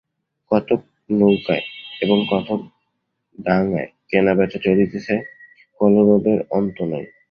কতক নৌকায় এবং কতক ডাঙায় কেনাবেচা চলিতেছে, কলরবের অন্ত নাই।